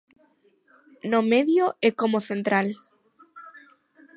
No medio e como central.